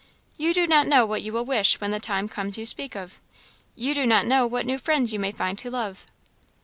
You do not know what you will wish when the time comes you speak of. You do not know what new friends you may find to love."